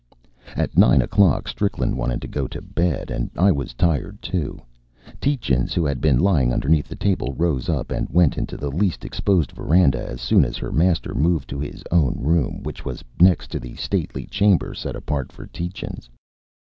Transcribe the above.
At nine o'clock Strickland wanted to go to bed, and I was tired too. Tietjens, who had been lying underneath the table, rose up and went into the least exposed veranda as soon as her master moved to his own room, which was next to the stately chamber set apart for Tietjens.